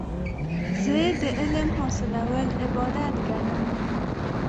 زه د علم حاصلول عبادت ګڼم.